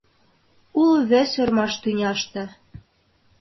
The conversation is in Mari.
Уло вес ӧрмаш тӱняште: